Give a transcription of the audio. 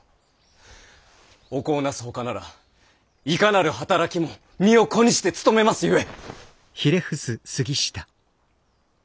お子をなすほかならいかなる働きも身を粉にして努めますゆえ！